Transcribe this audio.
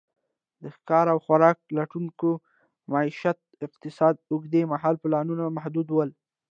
د ښکار او خوراک لټونکو معیشتي اقتصاد اوږد مهاله پلانونه محدود ول.